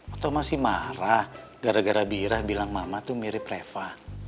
atau masih marah gara gara birah bilang mama itu mirip reva